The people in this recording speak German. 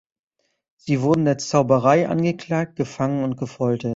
Sie wurden der Zauberei angeklagt, gefangen und gefoltert.